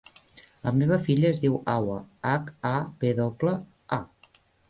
La meva filla es diu Hawa: hac, a, ve doble, a.